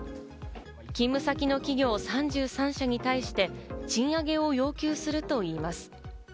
勤務先の企業３３社に対して、賃上げを要求するといいます。